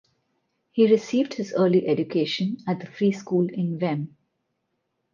He received his early education at the free school in Wem.